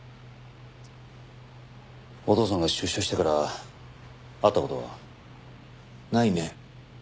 お父さんが出所してから会った事は？ないね。